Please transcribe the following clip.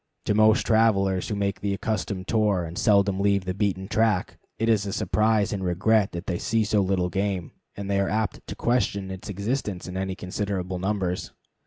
To most travelers who make the accustomed tour and seldom leave the beaten track, it is a surprise and regret that they see so little game, and they are apt to question its existence in any considerable numbers.